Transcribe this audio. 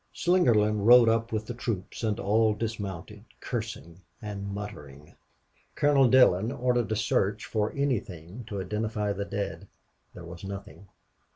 Slingerland rode up with the troops, and all dismounted, cursing and muttering. Colonel Dillon ordered a search for anything to identify the dead. There was nothing.